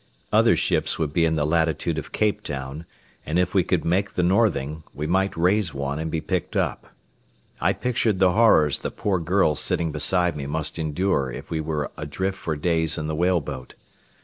Other ships would be in the latitude of Cape Town, and if we could make the northing, we might raise one and be picked up. I pictured the horrors the poor girl sitting beside me must endure if we were adrift for days in the whale boat.